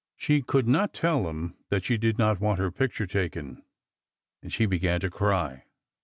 She could not tell them that she did not want her picture taken, and began to cry.